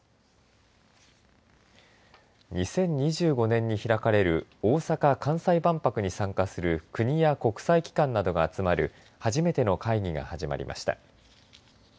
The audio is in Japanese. ２０２５年に開かれる大阪・関西万博に参加する国や国際機関などが集まる初めての会議が始まりました。